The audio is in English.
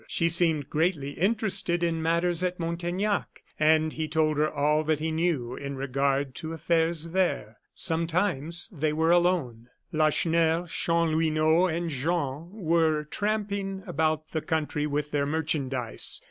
She seemed greatly interested in matters at Montaignac, and he told her all that he knew in regard to affairs there. Sometimes they were alone. Lacheneur, Chanlouineau, and Jean were tramping about the country with their merchandise.